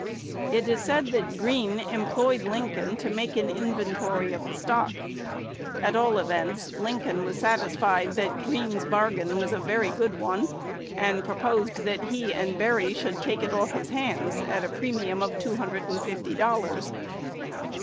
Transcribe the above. It is said that Green employed Lincoln to make an inventory of the stock. At all events, Lincoln was satisfied that Green's bargain was a very good one, and proposed that he and Berry should take it off his hands at a premium of two hundred and fifty dollars.